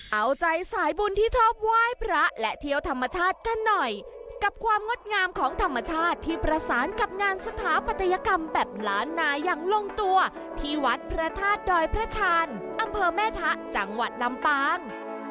เอาใจสายบุญที่ชอบไหว้พระและเที่ยวธรรมชาติกันหน่อยกับความงดงามของธรรมชาติที่ประสานกับงานสถาปัตยกรรมแบบล้านนาอย่างลงตัวที่วัดพระธาตุดอยพระชาญอำเภอแม่ทะจังหวัดลำปาง